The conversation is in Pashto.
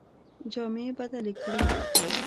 جامې بدلي کړې.